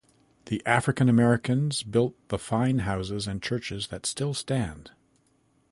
The African Americans built the fine houses and churches that still stand.